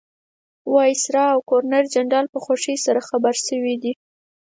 وایسرا او ګورنرجنرال په خوښۍ سره خبر شوي دي.